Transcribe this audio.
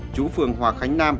chú phường hòa khánh nam